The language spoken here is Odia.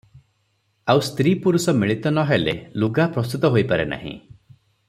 ଆଉ ସ୍ତ୍ରୀ ପୁରୁଷ ମିଳିତ ନହେଲେ ଲୁଗା ପ୍ରସ୍ତୁତ ହୋଇପାରେ ନାହିଁ ।